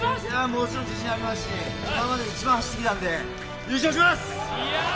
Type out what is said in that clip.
もちろん自信ありますし、今まで１番走ってきたんで優勝します！